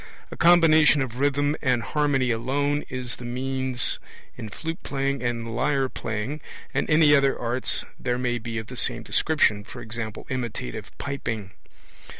A combination of rhythm and harmony alone is the means in flute playing and lyre playing, and any other arts there may be of the same description, e.g. imitative piping.